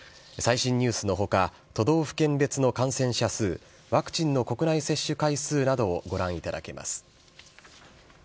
最新ニュースのほか、都道府県別の感染者数、ワクチンの国内接種回数などをご覧いただけます。